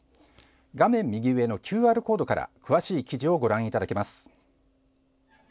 画面右上のＱＲコードから詳しい記事をご覧いただけます。